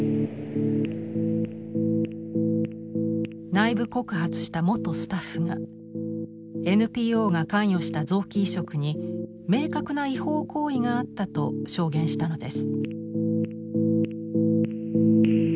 内部告発した元スタッフが「ＮＰＯが関与した臓器移植に明確な違法行為があった」と証言したのです。